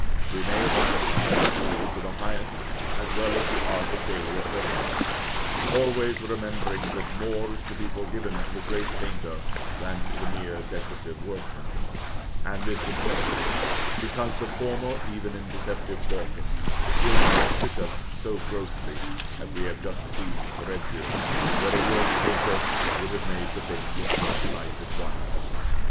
We may thus apply the rule to the highest, as well as the art of daily occurrence, always remembering that more is to be forgiven to the great painter than to the mere decorative workman; and this especially, because the former, even in deceptive portions, will not trick us so grossly; as we have just seen in Correggio, where a worse painter would have made the thing look like life at once.